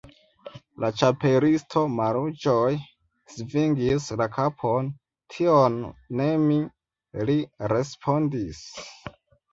La Ĉapelisto malĝoje svingis la kapon. "Tion ne mi," li respondis."